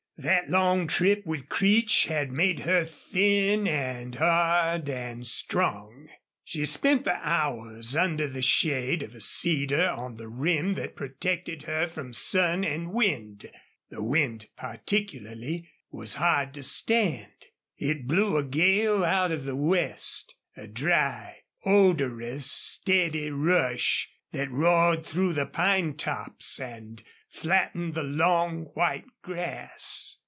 That long trip with Creech had made her thin and hard and strong. She spent the hours under the shade of a cedar on the rim that protected her from sun and wind. The wind, particularly, was hard to stand. It blew a gale out of the west, a dry, odorous, steady rush that roared through the pine tops and flattened the long, white grass.